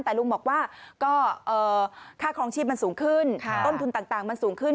แต่ลุงบอกว่าก็ค่าครองชีพมันสูงขึ้นต้นทุนต่างมันสูงขึ้น